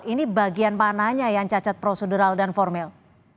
ini bagian mananya yang cacat prosedural dan formil